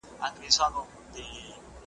یا غازیان یا شهیدان یو په دې دوه نومه نازیږو ,